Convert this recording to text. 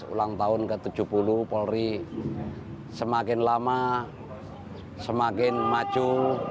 dua ribu enam belas ulang tahun ke tujuh puluh polri semakin lama semakin maco